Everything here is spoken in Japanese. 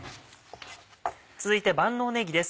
続いて万能ねぎです。